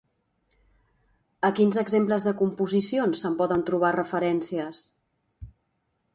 A quins exemples de composicions se'n poden trobar referències?